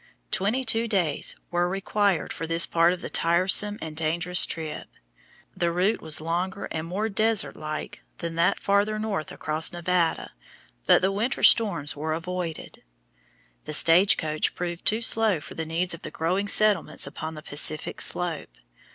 Twenty two days were required for this part of the tiresome and dangerous trip. The route was longer and more desert like than that farther north across Nevada, but the winter storms were avoided. The stage coach proved too slow for the needs of the growing settlements upon the Pacific slope.